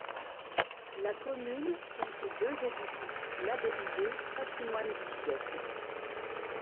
La commune compte deux édifices labellisés Patrimoine du siècle.